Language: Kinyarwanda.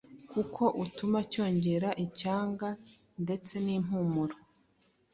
kuko utuma cyongera icyanga ndetse n’impumuro,